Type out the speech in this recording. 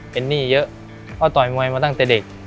เป็นหนี้เยอะเพราะต่อยมวยมาตั้งแต่เด็ก